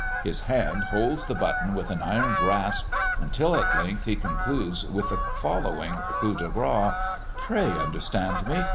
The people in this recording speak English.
His hand holds the button with an iron grasp, until, at length, he concludes with the following coup de grace: "Pray understand me.